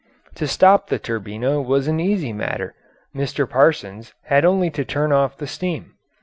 To stop the Turbina was an easy matter; Mr. Parsons had only to turn off the steam.